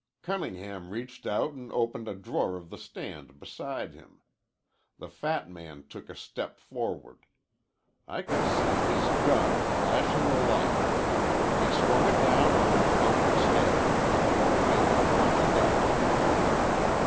Cunningham reached out an' opened a drawer of the stand beside him. The fat man took a step forward. I could see his gun flash in the light. He swung it down on yore uncle's head an' the old man crumpled up."